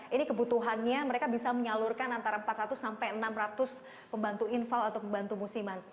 ini kebutuhannya mereka bisa menyalurkan antara empat ratus sampai enam ratus pembantu infal atau pembantu musiman